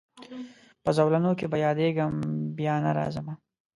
په زولنو کي به یادېږمه بیا نه راځمه